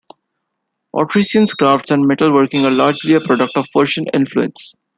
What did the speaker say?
Odrysian crafts and metalworking are largely a product of Persian influence.